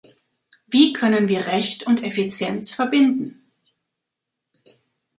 Wie können wir Recht und Effizienz verbinden?